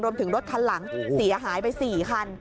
รวมถึงรถถังหลังเสียหายไป๔คัน